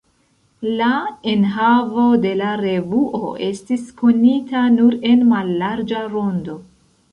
La enhavo de la revuo estis konita nur en mallarĝa rondo.